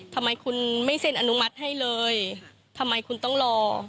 ทำไมคุณไม่เซ็นอนุมัติให้เลยทำไมคุณต้องรอ